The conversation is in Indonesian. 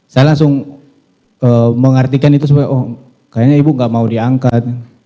saya langsung mengartikan itu supaya oh kayaknya ibu nggak mau diangkat